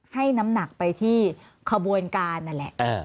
ให้น้ำหนักไปที่ขบวนการนั่นแหละ